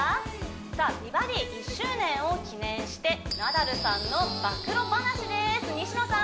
さあ「美バディ」１周年を記念してナダルさんの暴露話です西野さん